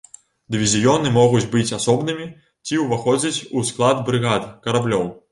Дывізіёны могуць быць асобнымі ці ўваходзіць у склад брыгад караблёў.